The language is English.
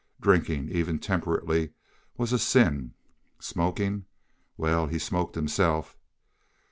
Drinking, even temperately, was a sin. Smoking—well, he smoked himself.